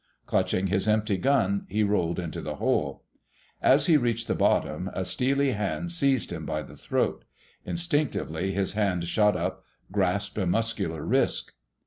Clutching his empty gun, he rolled into the hole. As he reached the bottom a steely hand seized him by the throat. Instinctively his hand shot up, grasped a muscular wrist.